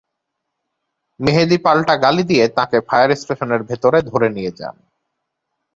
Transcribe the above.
মেহেদি পাল্টা গালি দিয়ে তাঁকে ফায়ার স্টেশনের ভেতরে ধরে নিয়ে যান।